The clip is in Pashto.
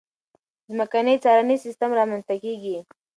ځمکنی څارنیز سیستم رامنځته کېږي.